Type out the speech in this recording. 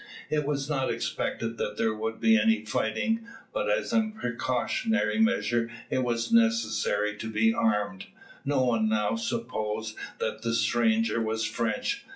It was not expected that there would be any fighting, but as a precautionary measure it was necessary to be armed. No one now supposed that the stranger was French.